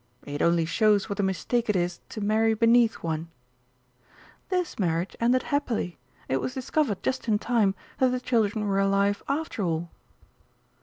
"It only shows what a mistake it is to marry beneath one." "This marriage ended happily. It was discovered, just in time, that the children were alive after all."